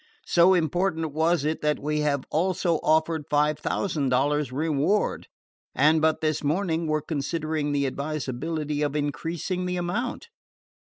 So important was it that we have also offered five thousand dollars reward, and but this morning were considering the advisability of increasing the amount.